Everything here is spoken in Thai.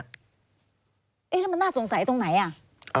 แล้วมันน่าสงสัยตรงไหนอ่ะ